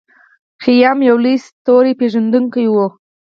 خیام یو لوی ستورپیژندونکی و.